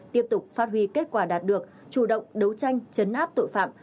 tiếp tục phát huy kết quả đạt được chủ động đấu tranh chấn áp tội phạm